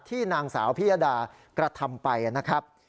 นางสาวพิยดากระทำไปนะครับ